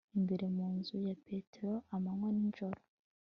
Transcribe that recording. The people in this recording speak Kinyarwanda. imbere mu nzu ya petero amanywa n'ijoro